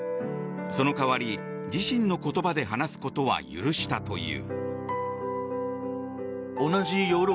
その代わり、自身の言葉で話すことは許したという。